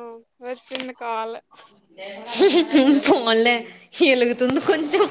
ఆ వచ్చింది కాల ఫోన్లే ఎలుగుతుంది కొంచెం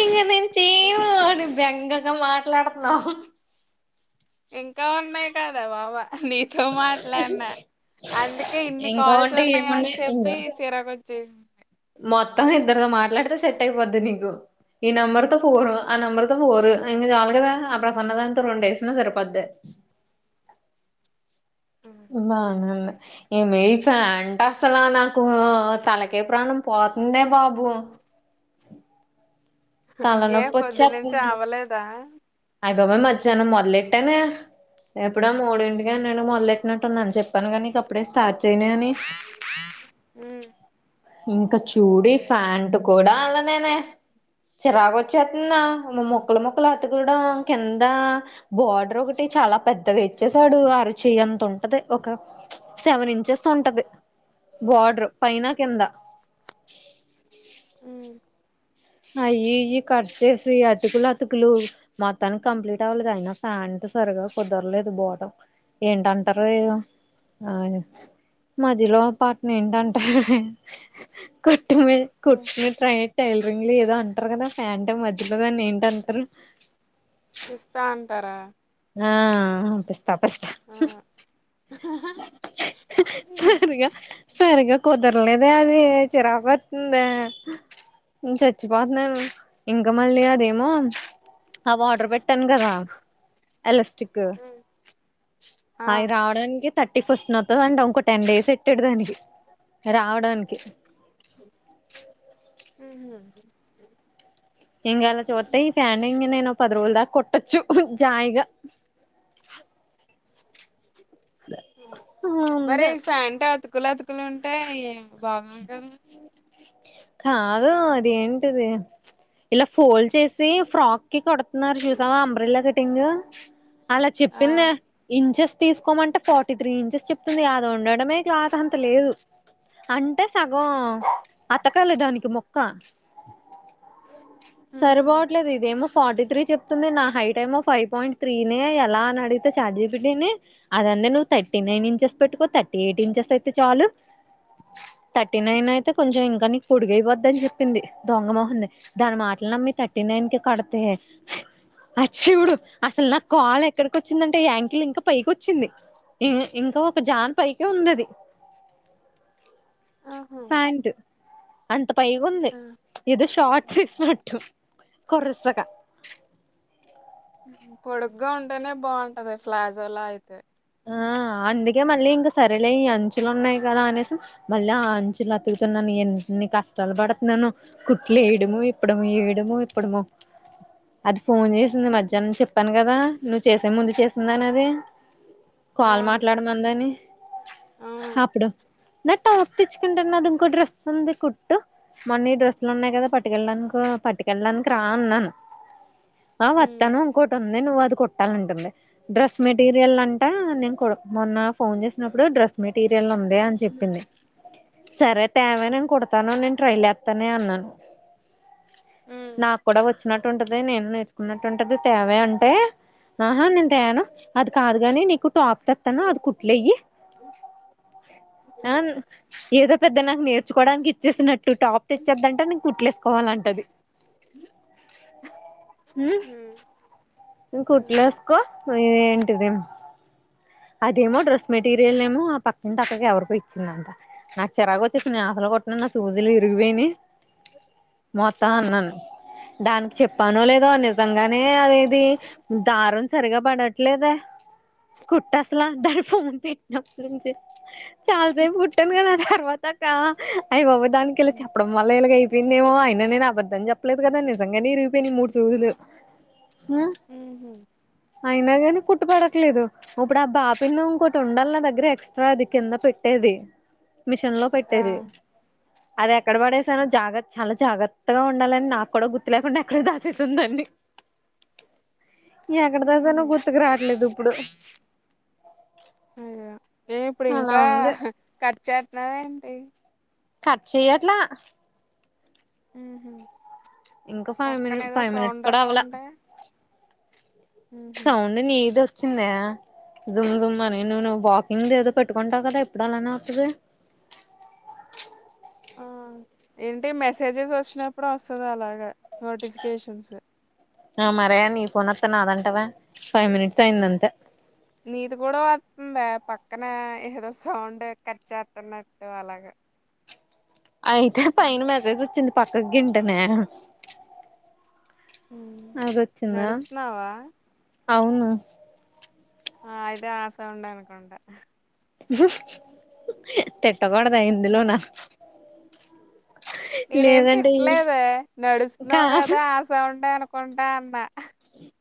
ఇ అ చేయను బెంగ అ మాట్లాడుతవు ఇంకా ఉన్నాయి కదా బాబా నీ తో మాట్లాడిన అందుకే ఇన్ని ఇంకా కాల్స్ ఉంటే ఉన్నాయ ఏముండ అని చెప్పి ఇంకా చిరకు వచ్చేసింది మొత్తం ఇద్దరుతో మాట్లాడితే సెట్ అయిపోద్ది నీకు ఈ నెంబర్ తో ఫోరు ఆ నెంబర్ తో ఫోరు ఇంకా చాలు కదా ఆ ప్రసన్నదాంతో రెండు వేసిన సరిపోద్ది నన్న ఏమే ఫ్యాన్ అంట అసలా నాకు తలకే ప్రాణం పోతుందే బాబు ఏ తలనొప్పి పొద్దునుంచి అవలేదా అయ్యబాబోయ్ మధ్యాహ్ం మొదలెట్టాను ఎప్పుడో మూడింటిగా నేను మొదలెట్టినట్టు ఉన్నా అని చెప్పాను కానీ ఇక అప్పుడే స్టార్ట్ చేయను అని హ ఇంకా చూడి ఫ్యాంట్ కూడా ళేనే చిరాగ్ వచ్చేతుందా ఆమ్మో మొక్లు మొక్లు అతు కూడా కింద బోర్డర్ ఒకటి చాలా పెద్దగా ఇచ్చేసాడు అరుచెయ్యి అంత ఉంటది ఒక సెవెన్ ఇంచెస్ ఉంటది బార్డర్ పైన కింద అవి ఇవి కట్ చేసి అతుకులు అతుకులు మొత్తానికి కంప్లీట్ అవ్వలేదు అయినా ప్యాంట్ సరిగా కుదరలేదు బోట ఏంటంటారో ఏమో అ మధ్యలో పట్న ఏంటంటారు కు ట్రైట్ అ ఏదో అంటారు కదా ఫ్యాన్ అంటే మధ్యలోదాని ఏంటి అంటారు ఇస్తా అంటారా ఆ తపస్త ఆ సరగా సరగా కుదరలేదే అది చిరాకు వస్తుంది చచ్చిపోతున్నాను ఇంకా మళ్ళీ అదేమో ఆ వాటర్ పెట్టాను కదా ఎలాస్టిక్ అయి రావడానికి థర్టీ ఫస్ట్ వదండి ఇంకో టెన్ డేస్ పెట్టాడు దానికి రావడానికి అహ ఇంకా అలా చూస్తా ఈ ఫ్యాన్ ఇం నేను పదువలుదా కొట్టచ్చు జయిగా అ మరి ఉంది ఫ్యాంట కుల కుక్కలు ఉంటేయి ఏ బాగుంది కదా కాదు అద ఏంటిది ఇలా ఫోల్డ్ చేసి ఫ్రాక్ కి కొడుతున్నారు చూసావా అబ్రెలా కటింగ్ అలా ఆ చెప్పింది ఇంచెస్ తీసుకోమంటే ఫోటీ తర్టీ త్రీ ఇంచెస్ చెప్తుంది కాదా ఉండడమేలాత అంత లేదు అంటే సగం అతకాలి దానికి మొక్క సరిపోవట్లేదు ఇదేమో ఫార్టీ త్రీ చెప్తుంది నా హైట్ ఏమో ఫైవ్ పాయింట్ త్రీనే ఎలా అనిడిగితే చార్జ్ చె పెట్టిని అదం నువ్వు థర్టీ నైన్ ఇంచెస్ పెట్టుకో థర్టీ ఎయిట్ ఇంచెస్ అయితే చాలు థర్టీ నైన్ అయితే కొంచెం ఇంకా నీకు పొడిగైపోద్దిని చెప్పింది దొంగమోహంది దాని మాటలు నమ్మి థర్టీ నైన్ కి కడితే అచ్చిడు అసలు నాకు కాలు ఎక్కడికి వచ్చిందంటే యాంకిల్ ఇంకా పైకి వచ్చింది ఇంకా ఒక జాన్ పైక ఉందిది ప్యాంట్ అంత పైగా ఉంది ఏదో షార్ట్స్ ఇసినట్టు కొరసగా పొడుగ్గా ఉంటేనే బాగుంటది ప్లాజోలా అయితే ఆ అందుకే మళ్ళీ ఇంకా సరేలే ఈ అంచులు ఉన్నాయి కదా అనేసి మళ్ళీ ఆ అంచులు అతుకుతున్నాను ఎన్ని కష్టాలు పడుతున్నాను కుట్లు వేయడము ఇప్పడము వేయడము ఇప్పడము అది ఫోన్ చేసి వంది మధ్యాహ్ం చెప్పాను కదా నువ్వు చేసే ముందు చేస్తుందానిది ఆ కాల్ మాట్లాడుమందని అవును అప్పుడు న ట ఒ తెచ్చుకుంటన్నా అది ఇంకో డ్రెస్ అంది కుట్టు మనీ డ్రెస్ పలున్నాయిదా ఆ పట్టుకళ్ళడానికి పట్టుకెళ్డానికి రా అన్నాను ఆ వత్తనుంకోటను నువ్వు అది కొట్టాలంటుంది డ్రెస్ మెటీరియల్ంట నేను మొన్న ఫోన్ చేసినప్పుడు డ్రెస్ మెటీరియల్ ఉంది అదే అని చెప్పింది సరే ఆ తేవ నేను కుడతానుో నేను ట్రైలే అనే అన్నాను నాకు కూడా వచ్చినట్టు ఉంటది నేను నేర్చుకున్నట్టు ఉంటది తేవే అంటే ఆహా నేను తేను అది కాదు కాని నీ కుట స్తాను అది అయ్యో కుట్లేయ్యి ఆ ఏదో పెద్ద నాకు నేర్చుకోవడానికి ఇచ్చేసినట్టు టాప్ తెచ్చేద్దంటే నేను కుట్లేస్తా కోవాలంటది హుమ్ కుట్లేస్కో ఏంటిది అదేమో డ్రెస్ మెటీరియల్ ఏమో ఆ పక్కింటి అక్కకి ఎవరికి ఇచ్చిందంట నాకు చిరాకొచ్చేసి నేనసలు కుట్టనన్న నా సూదులు ఇరిగిపోయినయి మొత్తా అన్నాను దానికి చెప్పానో లేదో నిజంగానే దే అనేది దారం సరిగా పడట్లేదా కుట్టాసలా ధనుర్ ఫోన్ తీ ఫోన్ చే చాలా సేపు కుట్టను కదా వద్దక్క అయి బాబోయ్ దానికెళ్ళి చెప్పడం వల్ల ఇలాగయ్యి దేమో అయినా నేను అబద్ద్దం చెప్పలేదు కదా నిజంగానే ఇరిగిపోయినయి మూడు సూదులు మ్మ్ అయినాగానీ కుట్టుపడట్లేదు ఇప్పుడు ఆ బాపిను ఇంకోటి ఉండల్ల నా దగ్గర ఎక్స్ట్రా అది కింద పెట్టేది మిషన్ లో పెట్టేది అది ఎక్కడ పడేసానో జాగ్రత్త చాలా జాగ్రత్తగా ఉండాలని నాకు కూడా గుర్తు లేకుండా ఎక్కడ దాచేసాను దాన్ని ఎక్కడ దాసానో గుర్తుకు రావట్లేదు ఇప్పుడు అయో ఏ ఇప్పుడు అలా ఇంకా ఉంది కట్ చెత్తనావ ఏంటి కట్చయ్యట్లా హ్మ్ ఇంకా ఫైవ్ మినిట్ ఫైవ్ మినిట్స్ కూడా అవ్వలా వత్తుంటే సౌండ్ నీదొస్ వచ్చిందే జుమ్ జుమ్ అని నువను వాకింగ్ ఏదో పెట్టుకుంటా కదా ఎప్పుడలానే వత్తది ఆ ఏంటి మెసేజెస్ వచ్చినప్పుడు వస్తది అలాగా నోటిఫికేషన్స్ ఆ మరయా నీ పోన్ వత్తే నాదంటావే ఫైవ్ మినిట్స్ అయింది అంతే నీది కూడా వత్తుందే పక్కన ఏదో సౌండ్ కట్ చేత్తున్నట్టు అలాగ అయితే పైన మెసేజ్ వచ్చింది పక్క గింటనా నడుస్తున్నావా అవును ఆ అయితే ఆ సౌండే అనుకుంటా తె తగొడదా ఇందులోనా నేనేం లేదంటే తిట్టలేదే నడుస్తున్నావు కాదు కదా ఆ సౌండే అను కొంటాన్న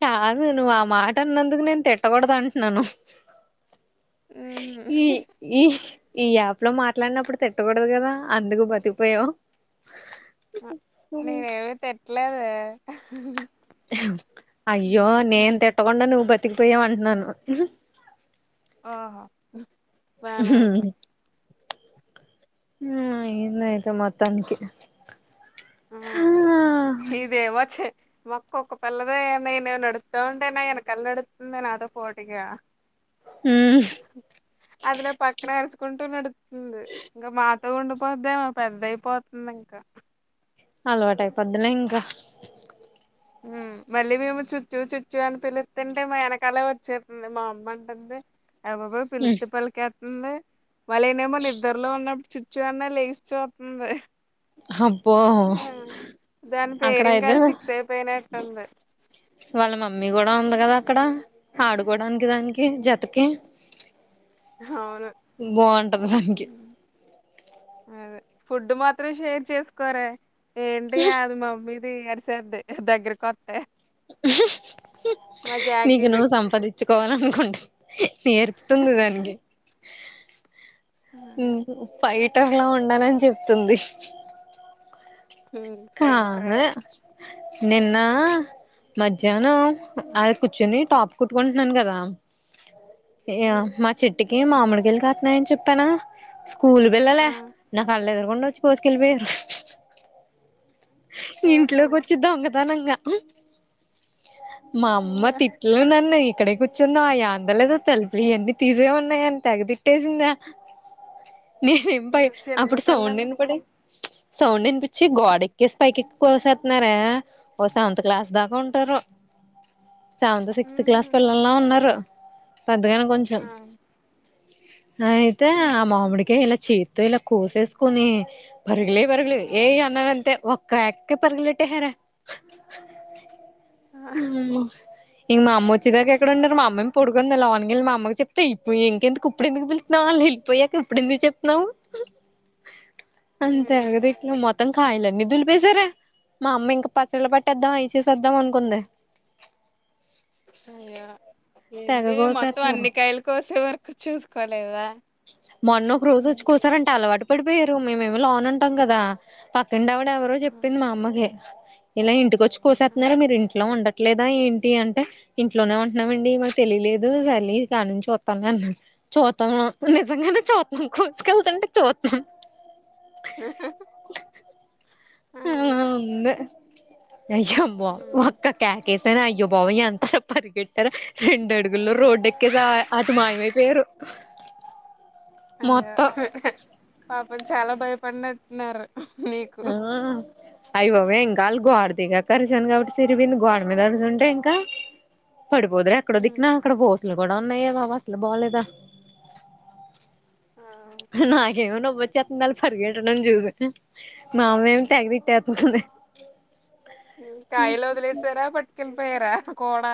కాదు నువ్వు ఆ మాట అన్నందుకు నేను తిట్టకూడదు అంట్నాను ఈ ఉహు ఈ ఈ యాప్ లో మాట్లాడినప్పుడు తిట్టకూడదు కదా అందుకు బతిపోయావు నేనే ఏమి తిట్టలేదు అయ్యో నేన్ంతేటో కుండా నువ్వు బతికిపోయా అంటున్నాను ఆఓహో వన ఉంది ఆ ఇన్యితే మొత్తానికినికి ఆ ఇదే మచ్చ మొక్కొ ఒక పల్లద నేను నడుతా ఉంటేనే వెనకల్ నడుతుంది నాతో పోటిగా ఉమ్ అదిలా పక్కన ఎరుచకుంటూ నడుతుంది ఇంకా మా అత్త ఉండిపోద్దేమో పెద్దయిపోతుంది ఇంకా అలవాటయి పదులే ఇంకా మళ్ళీ మేము చుచ్చు చుచ్చు అని పిలుతుంటే మా వెనకాలే వచ్చేంది మా అమ్మ అంటుంది అ బాబు పిలుస్తుంటే పలికి ఉంది మళ్ళ ఏనేమోనా నిద్దరులో ఉన్నప్పు చుచ్చు అన్న లే చ అబ్బో అక్కడ అయితే పనాట ఉంది మ్ మీ కూడా ఉంది కదా అక్కడ ఆడుకోడానికి దానికి జతకి అవును బాగుంటది దానికి అదే ఫుడ్ మాత్రం షేర్ చేసుకోర ఏంట అది మమ్మీ తీ గరిసేంది దగ్గరక కొత్త నీకు జాకీది నువ్వు సంపాదించుకోవాల అనుకుంటు నేర్పుతుంది దానికి ఉమ్ ఇట్టర్లా ఉండనని చెప్తుంది కా ఫైటరే నిన్న మధ్యాహ్నం ఆది కూర్చుని టాప్ కుట్టుకుంటున్నాను కదా ఏ మా చెట్ ఇటికి మామడికిెళ్ళి కతున్నాయని చెప్పానా స్కూల్ వెళ్ళాల ఆ నా కళ్ళ దగ్గరకుండడా వచ్చి కోసుకెళ్ళిపోయారు ఆహా ఇంట్లోకి వచ్చిద్దాంంగ తనం ఆ మా అమ్మ అయ్యో తిట్లు నన్ని ఇక్కడ కూర్చున్నా అవి అందలేదో తలుపి ఇవన్నీ తీసే ఉన్నాయి అని తెగదిట్టేసింద నేను ఎంపై అప్పుడు సౌండ చిన్నపిల్లలు ఇనిపడి సౌండ ఇన్పి వచ్చి గోడెక్కసి పైకి ఎక్కి కోసేస్తున్నారే ఓ సెవెంత్ క్లాస్ దాకా ఉంటారు సెవెంత్ సిక్స్త్ ఉహు క్లాస్ పిల్లలా ఉన్నారు పెద్దగానే కొంచెం ఆ ఆ అయితే ఉహు ఆమ్ మామ్డికి ఇలా చేయి తో ఇలా కోసేసుకుని పార్గలే పరుగులు ఏయ అన్నాను అంతే ఒక్క ఎక్కే పర్లటే హర ఉమ్ ఇంక మా అమ్మ వచ్చేదాకా ఎక్కడ ఉండారు మా అమ్మం పడుకుందిలావన్కెళ్ళి మా అమ్మకి చెప్తా ఇ ఇంకెందుకు ఇప్పుడు ఎందుకు పిళతున్నావు వాళ్ు వెళ్ళిపోయాక ఇప్పుడుెందుకు చెప్తున్నావు అంతే అది అయ్యో మొత్తం కాయలన్నీ దులిపేసారే మా అమ్మ ఇంకా పచ్చళ్ళ పట్టేద్దాం అసేసేద్దాం అనుకుంది అ్యా తెగ ఏంటి మొత్తం కోసేస్తున్నారు అన్ని కాయలు కోసేవరక్ చూసుకోలేదా మొన్న ఒక రోజు వచ్చి కోసారంటా అలవాటు ఎక్కడిపోయారు మేమేమి లోన ఉంటాం కదా తప్ రిం ఆవిడ ఎవరో చెప్పింది మా అమ్మకే ఇలా ఇంటికి వచ్చు కోసేస్తున్నారు మీరు ఇంట్లో ఉండ అట్లేదా ఏంటి అంటే ఇంట్లోనే ఉంటున్నామండి మాకు తెలిలేదు సరలి కా నుంచి చూస్తానే అన్నా చూద్దాం నిజంగానే చూద్దన్నాం కూర్సుకెళ్తుంటే చూద్దన్నాం ఆ అయ్యో వ నయంబ ఒక్క క్యాకే అయ్యో బాబోయ్య అంత పరిగెట్టారు రెండు అడుగుల్లో రోడ్డు ఎక్కేసా అటు మాయమైపోయరు అయ్యో పాపం చాలా భయ పన్నట్న్నారు ఆ అయ్య బాబే ఇంకా వాళ్ గోడ దిగాక కరిశాను కాబట్టి సిరిపోయింది గోడ మీద అరిచుంటే ఇంకా పడిపోదురు ఎక్కడో దికినా అక్కడ పోోసులు కూడా ఉన్నాయ బాబు అసలు బాలేదా నాకు ఏమో నవ్వు వచ్చేస్తోంది ం చూసి మా అమ్మ ఏమో తెగ తిట్టేస్తా కయలో వద్లేస్తారా బట్ కలి పయరా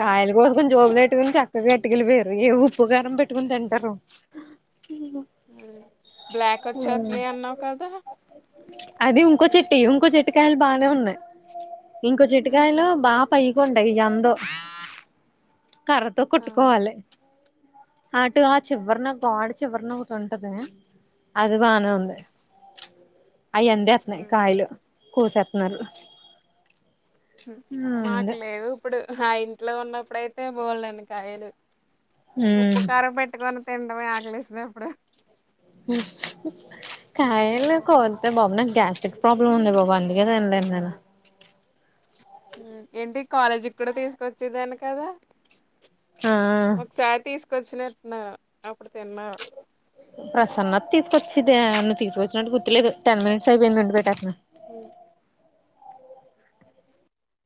కాయలు కోసకుని జోబ్లేట్ కా ఇ గటికిలు వయరు ఏ ఉప్పు కారం పెట్టుకుని తింటారు బ్లాక్ వచ్చేస్తున్నాయి అన్నావు కదా అది ఇంకో చెట్టీ ఇంకో చేట్ పటికాయలు బాగానే ఉన్నాయి ఇంకో చిటికాయలు బాగా పయ్యకుంటాయింద కర్రతో కొట్టుకోవాలి అటు ఆ చివరిన గాడ్ చివరిన కూట ఉంటది అది బాన ఉంది అయి అందేస్తున్నాయి కయలు కూసేస్తున్నారు మాట్లేవు ఇప్పుడు ఆ ఇంట్లో ఉన్నప్పుడయితే బోల్డన్ని కాయలు ఉమ్ ఉప్పు కారం పెట్టుకని తిండమే ఆకలేస్తుంది అప్పుడు కాయలే కోతే బాబు నా గ్యాస్ట్రిక్ ప్రాబ్లమ్ ఉంది బాబు అందుకే తినలేను నేను ఏంటి కాలేజీ కూడా తీసుకొచ్చేదాన్ని కదా ఆ ఒకసారి తీసుకొచ్చిన నా ప్రసన్నత తీసుకొచ్చ ఇది అన్న తీసుకొచ్చినట్టు గుర్తులేదు టెన్ మినిట్స్ అయిపోయింది ఉండి పెటాకన హ